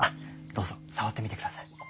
どうぞ触ってみてください。